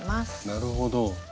なるほど。